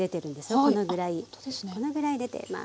このぐらい出てます